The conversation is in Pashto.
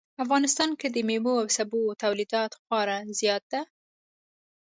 افغانستان کې د میوو او سبو تولید خورا زیات ده